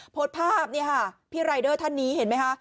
โพสต์ภาพนี่ค่ะพี่รายเดอร์ท่านนี้เห็นไหมคะ